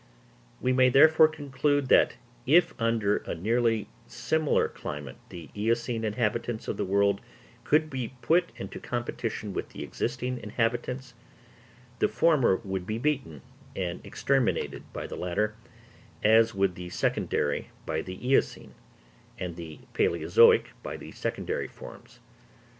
We may therefore conclude that if under a nearly similar climate the eocene inhabitants of the world could be put into competition with the existing inhabitants, the former would be beaten and exterminated by the latter, as would the secondary by the eocene, and the palæozoic by the secondary forms.